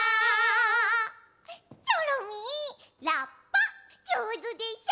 チョロミーラッパじょうずでしょ！